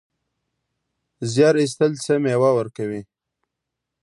زیار ایستل څه مېوه ورکوي؟